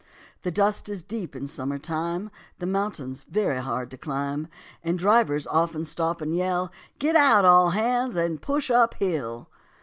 The dust is deep in summer time, The mountains very hard to climb, And drivers often stop and yell, "Get out, all hands, and push up hill."